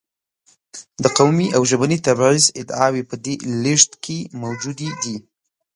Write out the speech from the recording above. د قومي او ژبني تبعیض ادعاوې په دې لېږد کې موجودې دي.